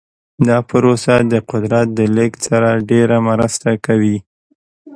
دا پروسه د قدرت د لیږد سره ډیره مرسته کوي.